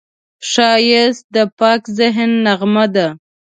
ښایست د پاک ذهن نغمه ده